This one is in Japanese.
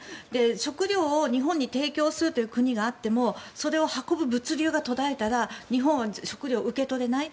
食料を日本に提供するという国があってもそれを運ぶ物流が途絶えたら日本は食料を受け取れない。